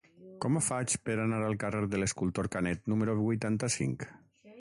Com ho faig per anar al carrer de l'Escultor Canet número vuitanta-cinc?